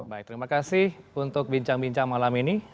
baik terima kasih untuk bincang bincang malam ini